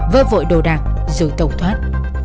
vơ vội đồ đạc giữ tàu thoát